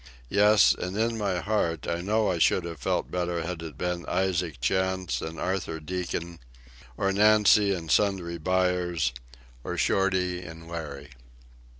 Yes, and in my heart I know I should have felt better had it been Isaac Chantz and Arthur Deacon, or Nancy and Sundry Buyers, or Shorty and Larry.